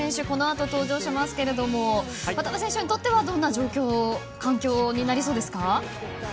このあと登場しますけども渡部選手にとってはどんな環境になりそうですか？